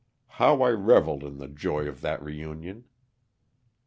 How I reveled in the joy of the reunion.